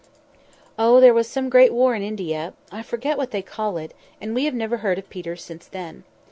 "Oh, there was some great war in India—I forget what they call it—and we have never heard of Peter since then.